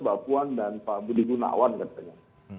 bapuan dan budi gunawan katanya